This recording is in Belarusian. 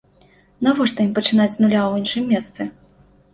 Навошта ім пачынаць з нуля ў іншым месцы?